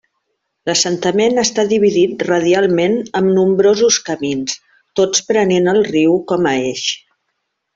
L'assentament està dividit radialment amb nombrosos camins, tots prenent el riu com a eix.